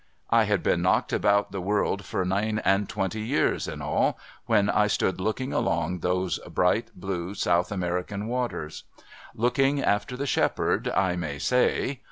I had been knocked about the world for nine and twenty years in all, when I stood looking along those bright blue South American Waters. Looking after the shepherd, I may say.